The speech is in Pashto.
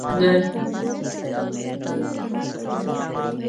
د هلمند سیند تر ټولو اوږد سیند دی